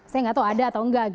saya nggak tahu ada atau enggak